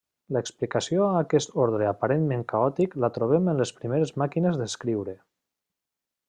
L'explicació a aquest ordre aparentment caòtic la trobem en les primeres màquines d'escriure.